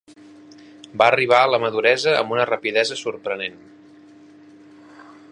Va arribar a la maduresa amb una rapidesa sorprenent.